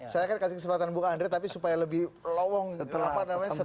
saya akan kasih kesempatan bu andre tapi supaya lebih lowong setelah pesan pesan berikut